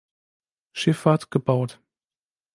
Schiffahrt gebaut.